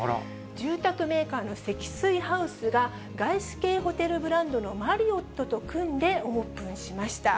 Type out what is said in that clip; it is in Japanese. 住宅メーカーの積水ハウスが、外資系ホテルブランドのマリオットと組んでオープンしました。